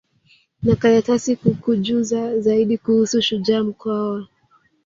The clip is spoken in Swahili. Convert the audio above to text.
na karatasi kukujuza zaidi kuhusu shujaa mkwawa